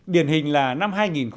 điển hình là năm hai nghìn một mươi sáu